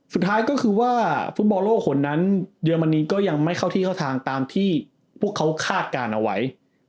สุดท้ายก็คือว่าฟุตบอลโลกคนนั้นเยอรมนีก็ยังไม่เข้าที่เข้าทางตามที่พวกเขาคาดการณ์เอาไว้